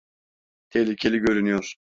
Tehlikeli görünüyor.